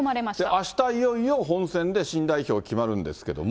あしたいよいよ本選で、新代表決まるんですけれども。